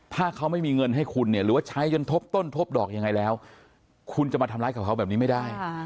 ถ้าเขาไม่มีเงินให้คุณเนี่ยหรือว่าใช้จนทบต้นทบดอกยังไงแล้วคุณจะมาทำร้ายกับเขาแบบนี้ไม่ได้